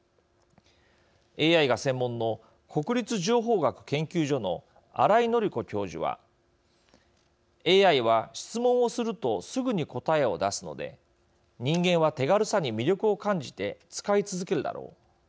ＡＩが専門の国立情報学研究所の新井紀子教授はＡＩは質問をするとすぐに答えを出すので人間は手軽さに魅力を感じて使い続けるだろう。